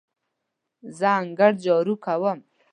زه انګړ جارو کوم.